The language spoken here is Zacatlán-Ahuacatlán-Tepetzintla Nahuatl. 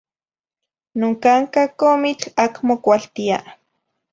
Noncanca comitl acmo cualtia